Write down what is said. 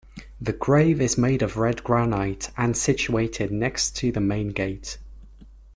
The grave is made of red granite and situated next to the main gate.